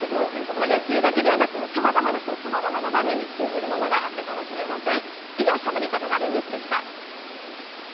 野球だけでなく、様々な人の様々な場面に通ずるものがあったかもしれません。